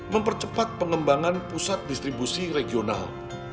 mempercepat pengembangan pusat distribusi regional